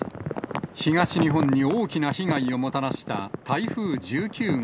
東日本に大きな被害をもたらした台風１９号。